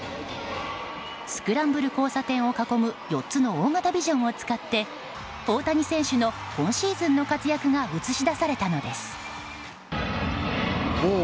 スクランブル交差点を囲む４つの大型ビジョンを使って大谷選手の今シーズンの活躍が映し出されたのです。